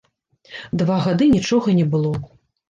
Два гады нічога не было.